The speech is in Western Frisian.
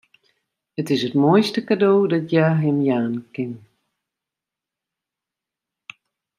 It is it moaiste kado dat hja him jaan kin.